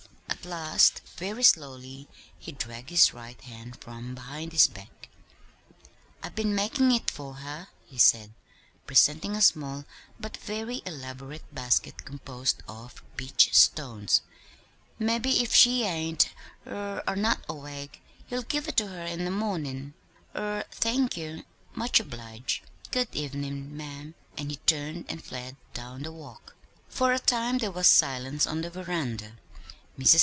At last, very slowly he dragged his right hand from behind his back. "I been makin' it for her," he said, presenting a small, but very elaborate basket composed of peach stones. "Mebbe if she ain't er are not awake, you'll give it to her in the mornin'. Er thank ye. Much obliged. Good evenin', ma'am." And he turned and fled down the walk. For a time there was silence on the veranda. Mrs.